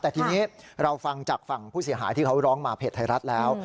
แต่ทีนี้เราฟังจากฝั่งผู้เสียหายที่เขาร้องมาเพจไทยรัฐแล้ว